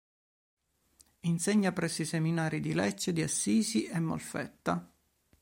Insegna presso i seminari di Lecce, di Assisi e Molfetta.